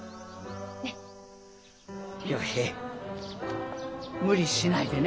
陽平無理しないでね。